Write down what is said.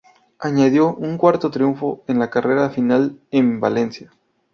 Añadió un cuarto triunfo en la carrera final en Valencia.